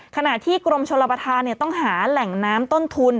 ขณะที่กรมชลประธานต้องหาแหล่งน้ำต้นทุน